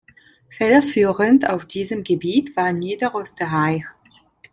Federführend auf diesem Gebiet war Niederösterreich.